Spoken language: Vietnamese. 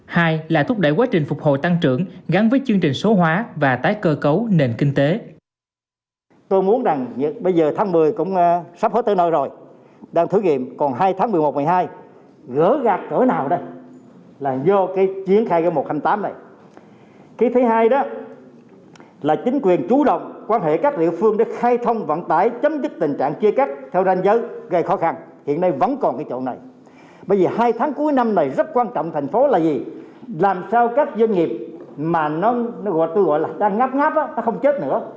hai là thúc đẩy quá trình phục hồi tăng trưởng gắn với chương trình số hóa và tái cơ cấu nền kinh tế